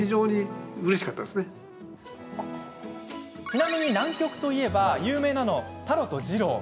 ちなみに南極といえば有名なのはタロとジロ。